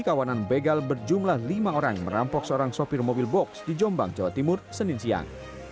kawanan begal berjumlah lima orang merampok seorang sopir mobil box di jombang jawa timur senin siang